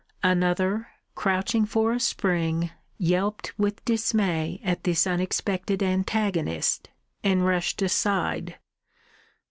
Another, crouching for a spring, yelped with dismay at this unexpected antagonist, and rushed aside.